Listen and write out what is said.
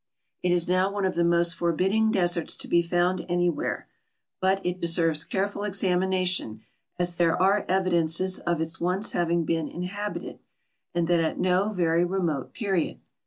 It is now one of the most forbidding deserts to be found anywhere, but it deserves careful examination, as there are evidences of its once having been inhabited, and that at no very remote period.